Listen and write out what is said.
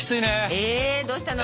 えどうしたの？